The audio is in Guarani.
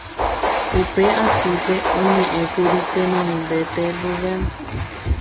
Upe atýpe oñe'ẽkuri tenondete Rubén